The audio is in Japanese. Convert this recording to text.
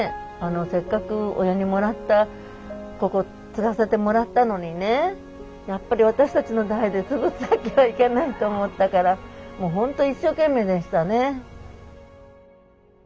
せっかく親にもらったここ継がせてもらったのにねやっぱり私たちの代で潰すわけはいかないと思ったからもうほんと一生懸命でしたね。